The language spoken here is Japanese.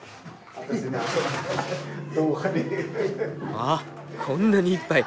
あっこんなにいっぱい。